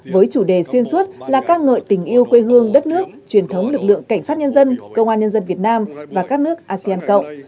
với chủ đề xuyên suốt là ca ngợi tình yêu quê hương đất nước truyền thống lực lượng cảnh sát nhân dân công an nhân dân việt nam và các nước asean cộng